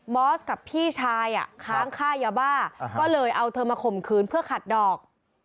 อสกับพี่ชายค้างค่ายาบ้าก็เลยเอาเธอมาข่มขืนเพื่อขัดดอก